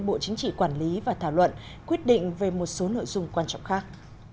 bộ chính trị quản lý và thảo luận quyết định về một số nội dung quan trọng khác